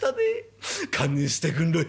堪忍してくんろや。